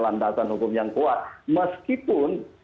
landasan hukum yang kuat meskipun